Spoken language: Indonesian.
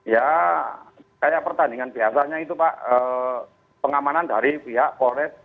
ya kayak pertandingan biasanya itu pak pengamanan dari pihak polres